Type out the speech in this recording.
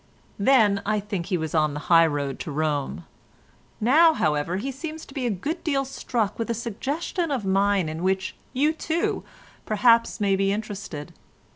"Then I think he was on the high road to Rome; now, however, he seems to be a good deal struck with a suggestion of mine in which you, too, perhaps may be interested.